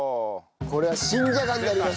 これは新じゃがになります。